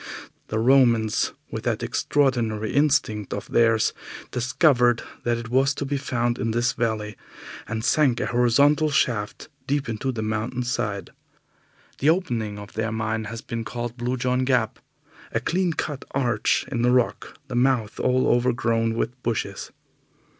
The Romans, with that extraordinary instinct of theirs, discovered that it was to be found in this valley, and sank a horizontal shaft deep into the mountain side. The opening of their mine has been called Blue John Gap, a clean cut arch in the rock, the mouth all overgrown with bushes.